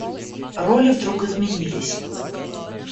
Роли вдруг изменились.